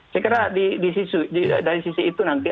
saya kira dari sisi itu nanti